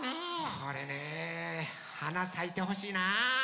これねえはなさいてほしいなあ。